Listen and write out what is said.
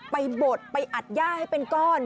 บดไปอัดย่าให้เป็นก้อน